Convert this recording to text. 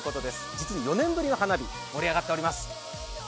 実に４年ぶりの花火、盛り上がっております。